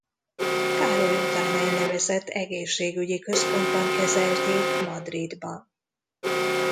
Károly után elnevezett egészségügyi központban kezelték Madridban.